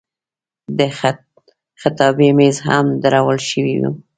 د خطابې میز هم درول شوی و.